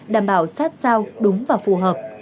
đảm bảo sát sao đúng và phù hợp